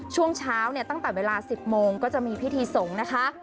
ช่วงเช้าเนี่ยตั้งแต่เวลา๑๐โมงก็จะมีพิธีสงฆ์นะคะ